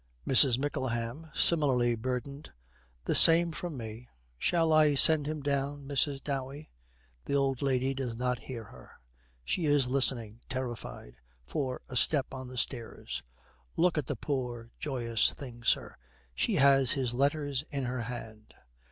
MRS. MICKLEHAM, similarly burdened, 'The same from me. Shall I send him down, Mrs. Dowey?' The old lady does not hear her. She is listening, terrified, for a step on the stairs. 'Look at the poor, joyous thing, sir. She has his letters in her hand.'